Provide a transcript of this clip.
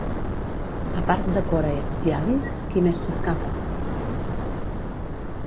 A part de Cora i Alice, qui més s'escapa?